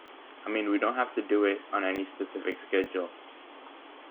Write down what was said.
I mean, we don't have to do it on any specific schedule.